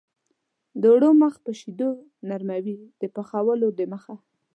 د اوړو مخ په شیدو نرموي د پخولو دمخه.